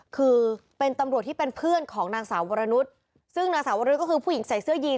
คือเป็นตำรวจที่เป็นเพื่อนของนางสาววรนุษย์ซึ่งนางสาววรุษก็คือผู้หญิงใส่เสื้อยีน